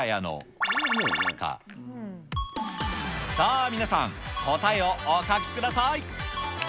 さあ、皆さん、答えをお書きください。